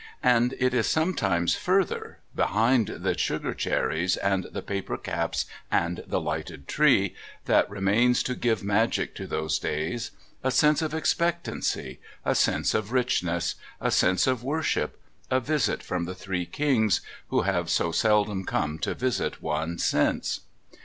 And it is something further behind the sugar cherries and the paper caps and the lighted tree that remains to give magic to those days; a sense of expectancy, a sense of richness, a sense of worship, a visit from the Three Kings who have so seldom come to visit one since.